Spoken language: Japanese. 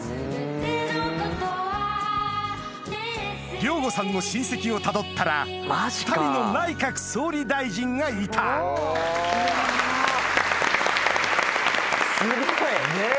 亮吾さんの親戚をたどったら２人の内閣総理大臣がいたすごい！ねぇ！